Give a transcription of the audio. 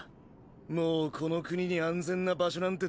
もうこの国に安全な場所なんてどこにも。